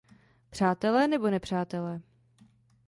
Přátelé nebo nepřátelé.